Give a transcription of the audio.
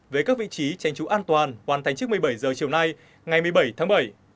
với các vị trí tranh trú an toàn hoàn thành trước một mươi bảy h chiều nay ngày một mươi bảy tháng bảy